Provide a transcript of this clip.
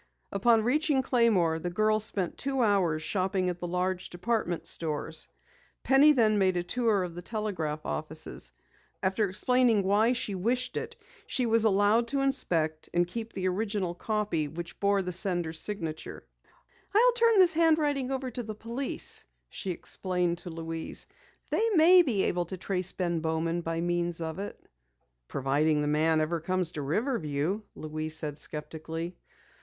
Upon reaching Claymore, the girls spent two hours shopping at the large department stores. Penny then made a tour of the telegraph offices, finally locating the one from which Mr. Bowman's message had been sent. After explaining why she wished it, she was allowed to inspect and keep the original copy which bore the sender's signature. "I'll turn this handwriting over to the police," she explained to Louise. "They may be able to trace Ben Bowman by means of it." "Providing the man ever comes to Riverview," Louise said skeptically.